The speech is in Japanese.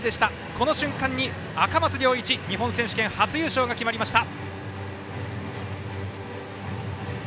この瞬間に赤松諒一、日本選手権初優勝が決まりました。